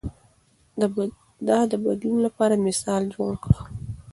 ده د بدلون لپاره مثال جوړ کړ.